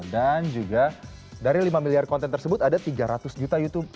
dan juga dari lima miliar konten tersebut ada tiga ratus juta youtube